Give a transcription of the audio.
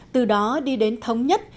từ đó đi đến thống nhất